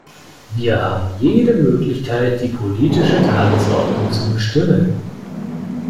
Wir haben jede Möglichkeit, die politische Tagesordnung zu bestimmen.